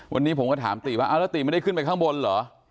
วันนี้ผมก็ถามติว่าเอาแล้วตีไม่ได้ขึ้นไปข้างบนเหรอ